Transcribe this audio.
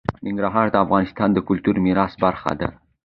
ننګرهار د افغانستان د کلتوري میراث برخه ده.